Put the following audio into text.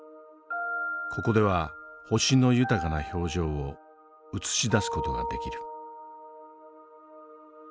ここでは星の豊かな表情を映し出す事ができる。